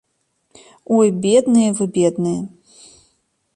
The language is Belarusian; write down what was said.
Ой, бедныя вы, бедныя.